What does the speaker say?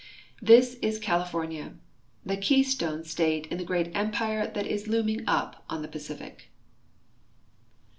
This is California, the Keystone state in the great Empire tliat is looming up on the Pacific.